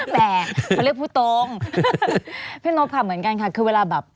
แต่เขาเรียกพูดตรงพี่นบค่ะเหมือนกันค่ะคือเวลาแบบ